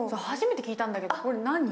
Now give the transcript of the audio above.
初めて聞いたんだけど、これ何？